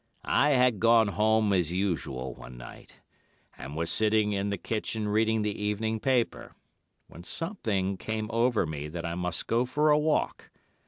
I had gone home as usual one night, and was sitting in the kitchen reading the evening paper, when something came over me that I must go for a walk.